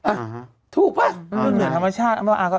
อ่ะถูกปะ